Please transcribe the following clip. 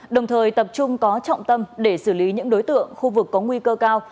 đồng thời tập trung có trọng tâm để xử lý những đối tượng khu vực có nguy cơ cao